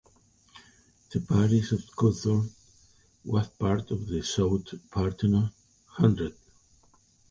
The parish of Cudworth was part of the South Petherton Hundred.